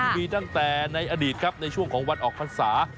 มีตั้งแต่ในอดีตครับในช่วงของวันออกพรรษา